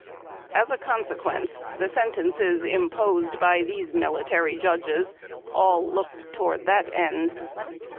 As a consequence, the sentences imposed b}^ these military judges all looked towards that end.